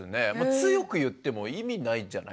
強く言っても意味ないじゃないですか。